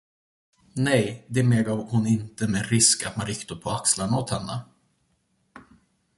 Nej, det medgav hon inte med risk att man ryckte på axlarna åt henne.